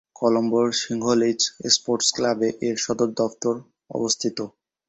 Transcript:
কলম্বোর Sinhalese sports ক্লাবে এর সদর দফতর অবস্থিত।